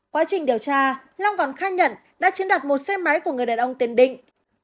quá trình điều tra long còn khai nhận đã chiếm đoạt một xe máy của người đàn ông tên định